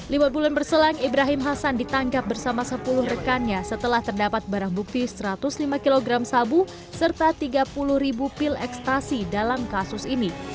lima bulan berselang ibrahim hasan ditangkap bersama sepuluh rekannya setelah terdapat barang bukti satu ratus lima kg sabu serta tiga puluh ribu pil ekstasi dalam kasus ini